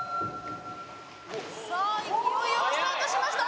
さあ勢いよくスタートしました！